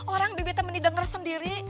orang bibi teman didengar sendiri